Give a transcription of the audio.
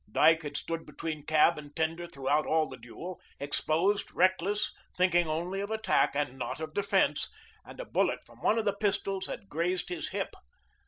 Dyke had stood between cab and tender throughout all the duel, exposed, reckless, thinking only of attack and not of defence, and a bullet from one of the pistols had grazed his hip.